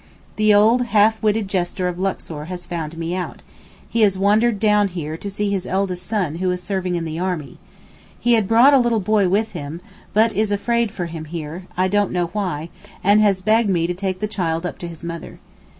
The old half witted jester of Luxor has found me out—he has wandered down here to see his eldest son who is serving in the army. He had brought a little boy with him, but is 'afraid for him' here, I don't know why, and has begged me to take the child up to his mother.